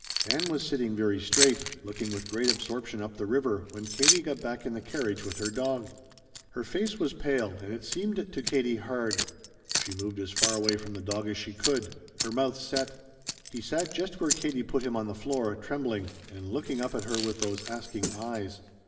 Ann was sitting very straight, looking with great absorption up the river when Katie got back in the carriage with her dog. Her face was pale, and, it seemed to Katie, hard. She moved as far away from the dog as she could her mouth set. He sat just where Katie put him on the floor, trembling, and looking up at her with those asking eyes.